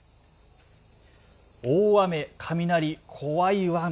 大雨、雷、怖いワン。